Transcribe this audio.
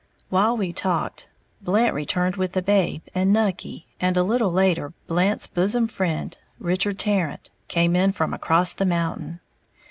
While we talked, Blant returned, with the babe and Nucky, and a little later, Blant's bosom friend, Richard Tarrant, came in from across the mountain.